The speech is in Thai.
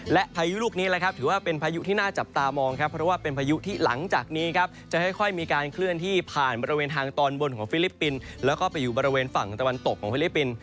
และพายุลูกนี้แหละครับถือว่าเป็นพายุที่น่าจับตามองครับเพราะว่าเป็นพายุที่หลังจากนี้ครับจะค่อยมีการเคลื่อนที่ผ่านบริเวณทางตอนบนของฟิลิปปินส์แล้วก็ไปอยู่บริเวณฝั่งตะวันตกของฟิลิปปินส์